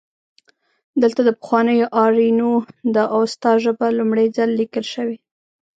دلته د پخوانیو آرینو د اوستا ژبه لومړی ځل لیکل شوې